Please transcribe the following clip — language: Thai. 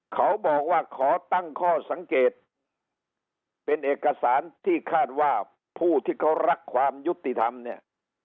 เขาบอกว่าขอตั้งข้อสังเกตเป็นเอกสารที่คาดว่าผู้ที่เขารักความยุติธรรมเนี่ย